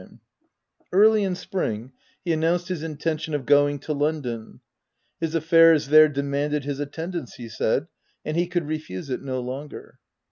160 THE TENANT Early in spring, he announced his intention of going to London : his affairs there demanded his attendance, he said, and he could refuse it no longer.